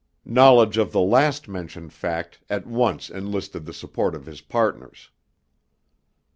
Knowledge of the last mentioned fact at once enlisted the support or his partners.